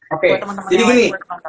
oke jadi gini